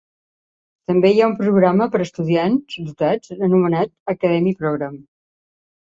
També hi ha un programa per a estudiants dotats anomenat "Academy Program".